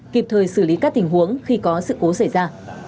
kịp thời xử lý các tình huống khi có sự cố xảy ra